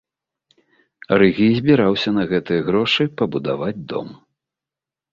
Рыгі і збіраўся на гэтыя грошы пабудаваць дом.